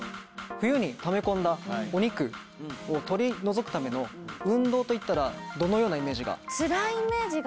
冬にため込んだお肉を取り除くための運動といったらどのようなイメージが？